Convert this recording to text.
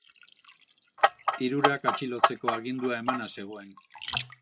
Hirurak atxilotzeko agindua emana zegoen.